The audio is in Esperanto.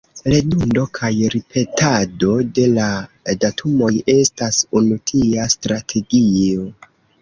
Redundo kaj ripetado de la datumoj estas unu tia strategio.